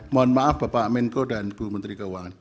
mohon maaf bapak menko dan bu menteri keuangan